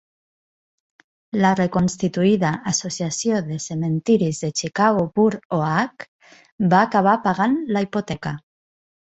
La reconstituïda Associació de cementiris de Chicago Burr Oak va acabar pagant la hipoteca.